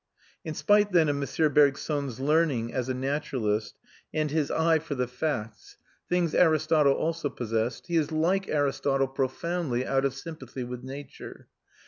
In spite, then, of M. Bergson's learning as a naturalist and his eye for the facts things Aristotle also possessed he is like Aristotle profoundly out of sympathy with nature.